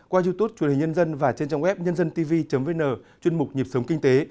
qua youtube chủ đề nhân dân và trên trang web nhândantv vn chuyên mục nhịp sống kinh tế